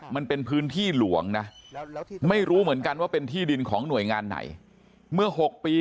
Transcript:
มันเป็นพื้นที่หลวงนะไม่รู้เหมือนกันว่าเป็นที่ดินของหน่วยงานไหนเมื่อ๖ปี